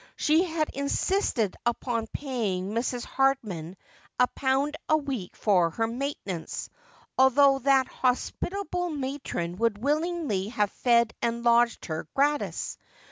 She had insisted upon paving Mrs. Hardman a pound a week for her maintenance ; although that hospitable matron would willingly have fed and lodged her gratis.